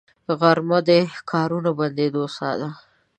غرمه د کارونو د بندېدو ساه ده